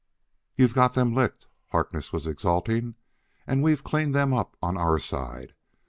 "You've got them licked," Harkness was exulting: "and we've cleaned them up on our side.